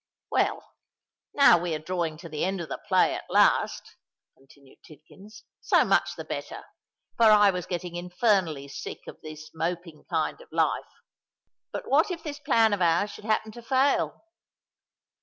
"Well, now we are drawing to the end of the play at last," continued Tidkins. "So much the better: for I was getting infernally sick of this moping kind of life. But what if this plan of ours should happen to fail?"